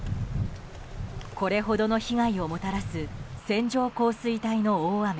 これほどの被害をもたらす線状降水帯の大雨。